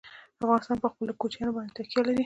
افغانستان په خپلو کوچیانو باندې تکیه لري.